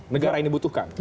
negara ini butuhkan